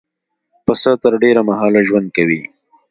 پسه تر ډېره مهاله ژوند کوي.